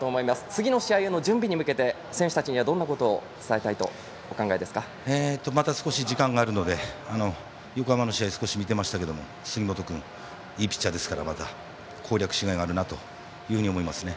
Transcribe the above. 次の試合への準備に向けて選手たちにはまた少し時間があるので横浜の試合を見ていましたけど杉本君、いいピッチャーですから攻略しがいがあるなと思いますね。